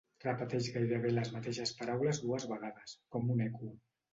Repeteix gairebé les mateixes paraules dues vegades, com un eco.